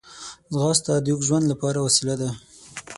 ځغاسته د اوږد ژوند لپاره وسیله ده